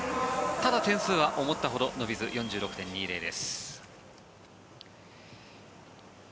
ただ点数は思ったほど伸びず４６．２０です。